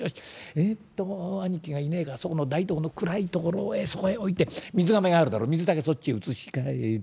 えっと兄貴がいねえからそこの台所の暗い所へそこへ置いて水がめがあるだろ水だけそっちへ移し替えて。